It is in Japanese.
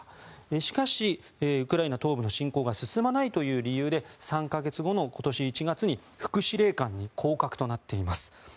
しかし、ウクライナ東部の侵攻が進まないという理由で３か月後の今年１月に副司令官に降格となっています。